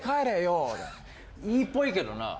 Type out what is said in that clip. いいっぽいけどな。